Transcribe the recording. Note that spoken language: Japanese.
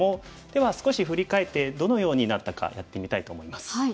では少し振り返ってどのようになったかやってみたいと思います。